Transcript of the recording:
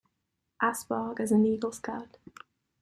Asphaug is an Eagle Scout.